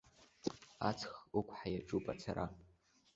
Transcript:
Аҵх ықәҳа иаҿуп ацара.